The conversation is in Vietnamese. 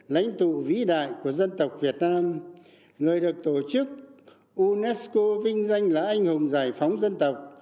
lãnh tụ vĩ đại của dân tộc việt nam người được tổ chức unesco vinh danh là anh hùng giải phóng dân tộc